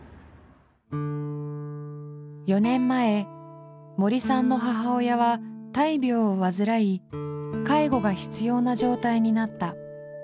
４年前森さんの母親は大病を患い介護が必要な状態になった。